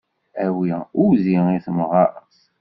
Awi udi i temɣart.